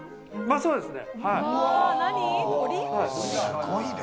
そうですね。